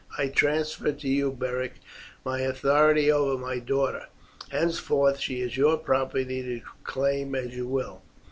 "I transfer to you, Beric, my authority over my daughter; henceforth she is your property to claim as you will."